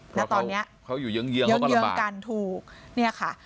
เพราะเขาอยู่เยื้องเยื้องกันถูก